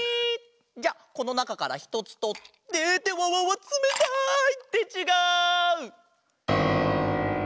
じゃあこのなかからひとつとってってわわわつめたい！ってちがう！